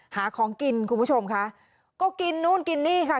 หาของกินคุณผู้ชมค่ะก็กินนู่นกินนี่ค่ะ